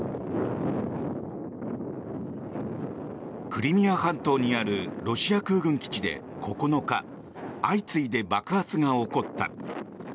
クリミア半島にあるロシア空軍基地で９日相次いで爆発が起こった。